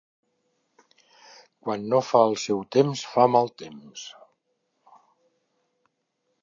Quan no fa el seu temps, fa mal temps.